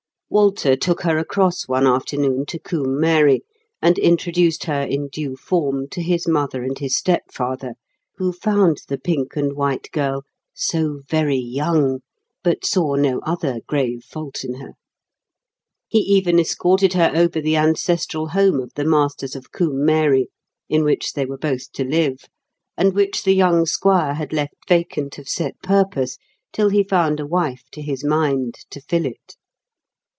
Walter took her across one afternoon to Combe Mary, and introduced her in due form to his mother and his step father, who found the pink and white girl "so very young", but saw no other grave fault in her. He even escorted her over the ancestral home of the masters of Combe Mary, in which they were both to live, and which the young squire had left vacant of set purpose till he found a wife to his mind to fill it.